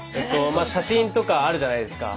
写真とかあるじゃないですか。